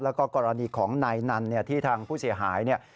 แล้วก็กรณีของนายนันที่ทางผู้เสียหาย